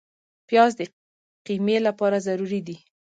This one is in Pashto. پیاز د قیمې لپاره ضروري دی